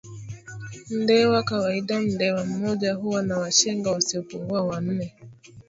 Mndewa kawaida Mndewa mmoja huwa na Washenga wasiopungua wanne kutegemea idadi ya kaya rasilimali